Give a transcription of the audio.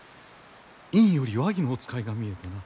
院より和議のお使いが見えてな。